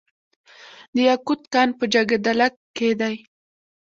د یاقوت کان په جګدلک کې دی